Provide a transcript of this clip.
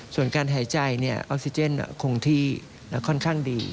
ส่วนการหายใจออกซิเจนคงที่ค่อนข้างดี